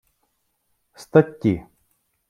Статті